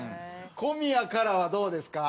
小宮からはどうですか？